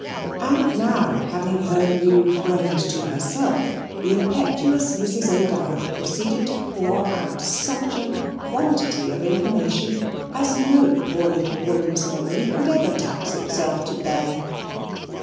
And, now having her new friend to herself, the impetuous Mrs. O'Dowd proceeded to pour out such a quantity of information as no poor little woman's memory could ever tax itself to bear.